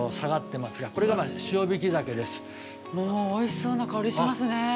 おいしそうな香り、しますね。